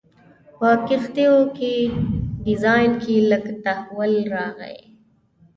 په کښتیو په ډیزاین کې لږ تحول راغی.